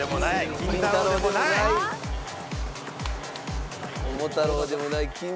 金太郎でもない。